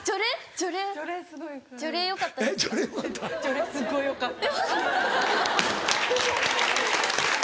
すっごいよかった。